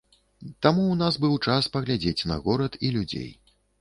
Таму ў нас быў час паглядзець на горад і людзей.